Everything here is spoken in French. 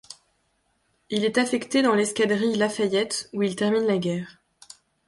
Il est affecté dans l'Escadrille La Fayette, où il termine la guerre.